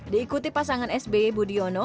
diikuti pasangan sby budiono